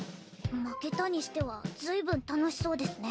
負けたにしては随分楽しそうですね。